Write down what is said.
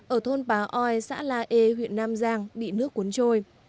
ở thôn bá oi xã la e huyện nam giang bị nước cuốn trôi